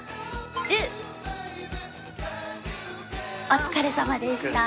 お疲れさまでした。